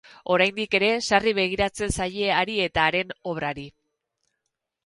Oraindik ere sarri begiratzen zaie hari eta haren obrari.